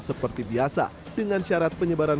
seperti biasa dengan syarat penyebaran